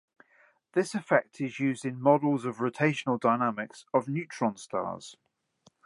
This effect is used in models of rotational dynamics of neutron stars.